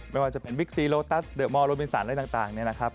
ไม่ว่าจะเป็นบิ๊กซีโลตัสเดอะมอลโลเมนสันอะไรต่างเนี่ยนะครับ